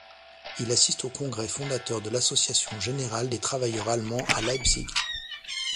Il assiste au congrès fondateur de l'Association générale des travailleurs allemands à Leipzig.